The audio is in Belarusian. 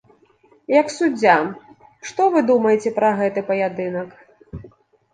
Як суддзя, што вы думаеце пра гэты паядынак?